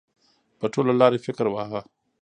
په ټوله لار یې فکر واهه.